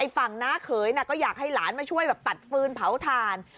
ฝั่งน้าเขยก็อยากให้หลานมาช่วยแบบตัดฟืนเผาถ่าน